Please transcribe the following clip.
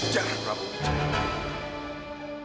jangan prabu wijaya